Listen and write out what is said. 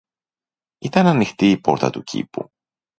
Ήταν ανοιχτή η πόρτα του κήπου